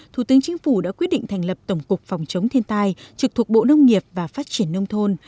thủ tướng chính phủ đã quyết định thành lập tổng cục phòng chống thiên tai trực thuộc bộ nông nghiệp và phát triển nông thôn